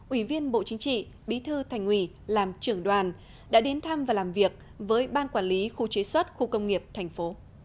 ủy viên bộ chính trị bí thư thành ủy làm trưởng đoàn đã đến thăm và làm việc với ban quản lý khu chế xuất khu công nghiệp thành phố